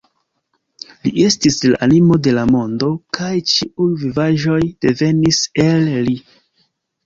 Li estis la animo de la mondo, kaj ĉiuj vivaĵoj devenis el li.